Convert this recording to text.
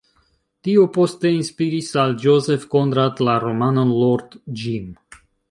Tio poste inspiris al Joseph Conrad la romanon "Lord Jim".